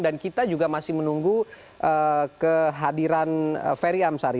dan kita juga masih menunggu kehadiran ferry amsari